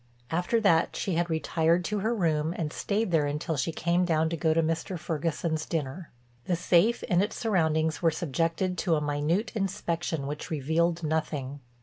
After that she had retired to her room and stayed there until she came down to go to Mr. Ferguson's dinner. The safe and its surroundings were subjected to a minute inspection which revealed nothing.